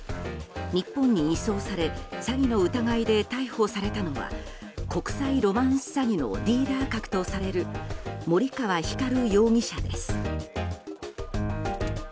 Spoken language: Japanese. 日本に移送され詐欺の疑いで逮捕されたのは国際ロマンス詐欺のリーダー格とされる森川光容疑者です。